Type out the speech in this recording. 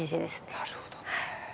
なるほどね。